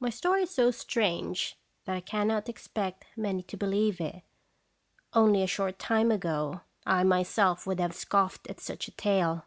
My story is so strange that I cannot expect many to believe it. Only a short time ago I myself would have scoffed at such a tale.